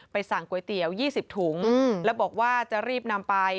ไปสั่งก๋วยเตี๋ยวยี่สิบถุงอืมแล้วบอกว่าจะรีบนำไป